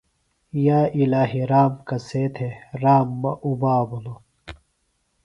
یا الہی رام کسے تھےۡ رام مہ اُبا بِھلوۡ۔